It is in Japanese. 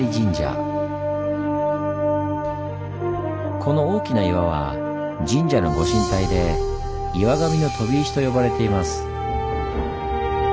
この大きな岩は神社のご神体で「岩神の飛石」と呼ばれています。